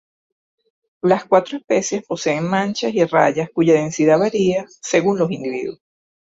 Las cuatro especies poseen manchas y rayas cuya densidad varía según los individuos.